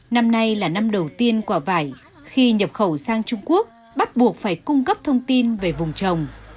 năm nay là năm đầu tiên quả vải khi nhập khẩu sang trung quốc bắt buộc phải cung cấp thông tin về vùng trồng